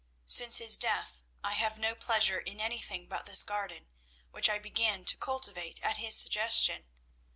Since his death I have no pleasure in anything but this garden, which I began to cultivate at his suggestion.